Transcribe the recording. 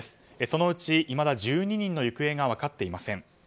そのうちいまだ１２人の行方が分かっていません。